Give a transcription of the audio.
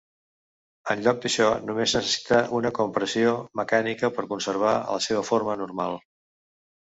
En lloc d'això, només necessita una compressió mecànica per conservar la seva forma normal.